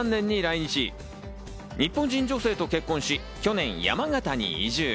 日本人女性と結婚し、去年、山形に移住。